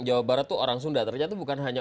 jawa barat itu orang sunda ternyata bukan hanya